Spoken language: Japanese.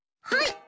はい！